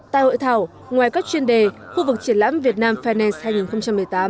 tại hội thảo ngoài các chuyên đề khu vực triển lãm việt nam finance hai nghìn một mươi tám